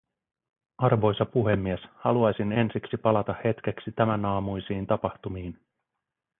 Arvoisa puhemies, haluaisin ensiksi palata hetkeksi tämänaamuisiin tapahtumiin.